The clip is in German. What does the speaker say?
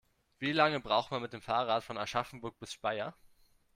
Wie lange braucht man mit dem Fahrrad von Aschaffenburg bis Speyer?